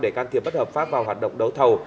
để can thiệp bất hợp pháp vào hoạt động đấu thầu